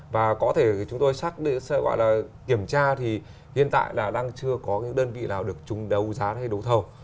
và có thể chúng tôi xác định gọi là kiểm tra thì hiện tại là đang chưa có những đơn vị nào được chúng đấu giá hay đấu thầu